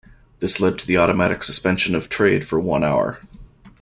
This led to the automatic suspension of trade for one hour.